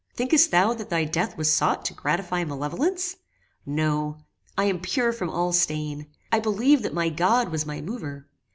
Thinkest thou that thy death was sought to gratify malevolence? No. I am pure from all stain. I believed that my God was my mover!